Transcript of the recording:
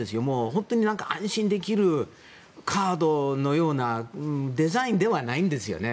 本当に安心できるカードのようなデザインではないんですよね。